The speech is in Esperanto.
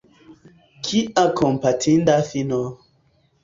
Kia kompatinda fino!